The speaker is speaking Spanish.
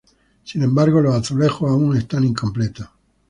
Sin embargo, los azulejos aún están incompletos.